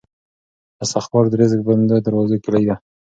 استغفار د رزق د بندو دروازو کیلي ده.